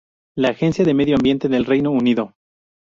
La Agencia de Medio Ambiente del Reino Unido.